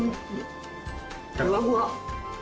ふわふわ。